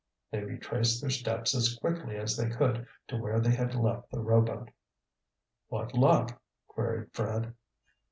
They retraced their steps as quickly as they could to where they had left the rowboat. "What luck?" queried Fred.